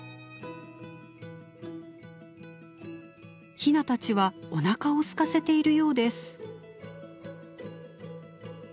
ヒナたちはおなかをすかせているようです。